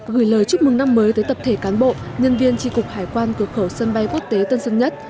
gửi lời chúc mừng năm mới tới tập thể cán bộ nhân viên tri cục hải quan cửa khẩu sân bay quốc tế tân sơn nhất